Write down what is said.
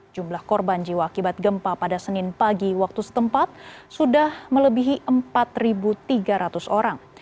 jumlah korban jiwa akibat gempa pada senin pagi waktu setempat sudah melebihi empat tiga ratus orang